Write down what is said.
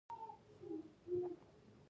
دریم: دولتي پورونه.